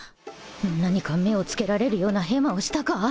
・何か目をつけられるようなヘマをしたか？